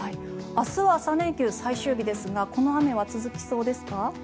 明日は３連休最終日ですがこの雨は続きそうですか？